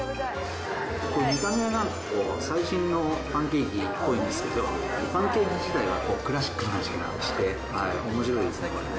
これ、見た目なんかこう、最新のパンケーキっぽいんですけど、パンケーキ自体はクラシックな味がして、おもしろいですね、これね。